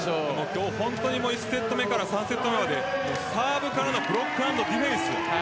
今日、本当に１セット目から３セット目までサーブからのブロック＆ディフェンス